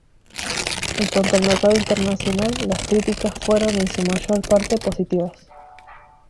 En cuanto al mercado internacional, las críticas fueron en su mayor parte positivas.